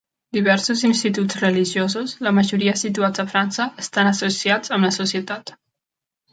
Diversos instituts religiosos, la majoria situats a França, estan associats amb la societat.